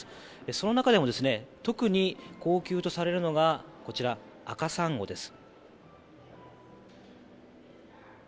そんな中でも特に高級とされるのが赤サンゴです。